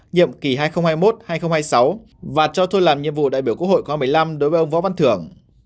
nhiệm kỳ hai nghìn hai mươi một hai nghìn hai mươi sáu và cho thôi làm nhiệm vụ đại biểu quốc hội khóa một mươi năm đối với ông võ văn thưởng